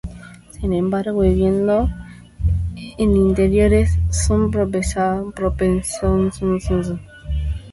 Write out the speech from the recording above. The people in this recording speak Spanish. Sin embargo, viviendo en interiores, son propensos a adquirir sobrepeso.